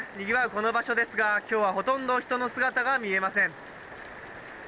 この場所ですが、きょうはほとんど人の姿が見えません。